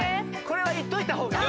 これは行っといた方が。